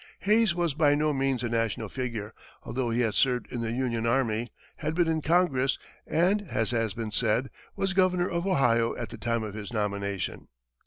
Hayes was by no means a national figure, although he had served in the Union army, had been in Congress, and, as has been said, was governor of Ohio at the time of his nomination.